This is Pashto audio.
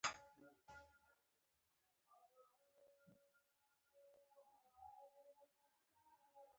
د هلمند ولایت د پرمختګ لپاره چټک بدلون ته اړتیا لري.